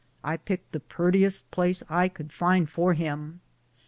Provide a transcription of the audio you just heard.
69 I picked the purtiest place I could find for hira."